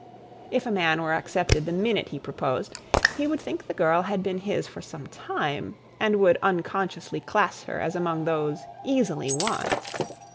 If a man were accepted the minute he proposed, he would think the girl had been his for some time, and would unconsciously class her as among those easily won.